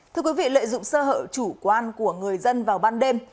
thưa quý vị lợi dụng sơ hợp chủ quan của người dân vào ban đêm